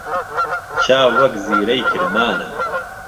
چاو وهک زیرەی کرمانه